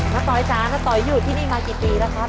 ตอยจ๋าน้าต๋อยอยู่ที่นี่มากี่ปีแล้วครับ